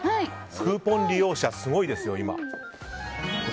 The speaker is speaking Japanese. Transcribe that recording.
クーポン利用者すごいですよ。